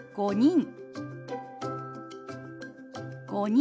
「５人」。